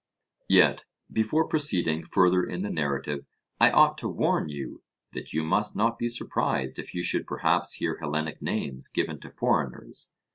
Yet, before proceeding further in the narrative, I ought to warn you, that you must not be surprised if you should perhaps hear Hellenic names given to foreigners.